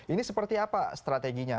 ini seperti apa strateginya